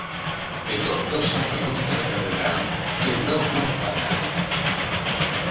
De Tortosa me gusta la catedral, ¡que no gusta a nadie!